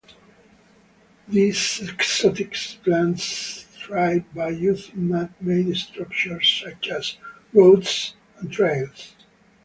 These exotic plants thrive by using man-made structures such as roads and trails.